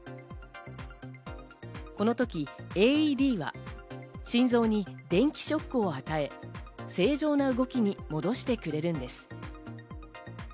このときＡＥＤは、心臓に電気ショックを与え、正常な動きに戻してくれるんです。